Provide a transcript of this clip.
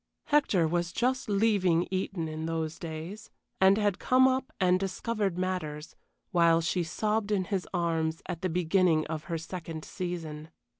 Hector was just leaving Eton in those days, and had come up and discovered matters, while she sobbed in his arms, at the beginning of her second season.